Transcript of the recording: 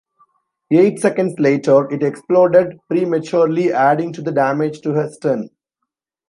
Eight seconds later, it exploded prematurely, adding to the damage to her stern.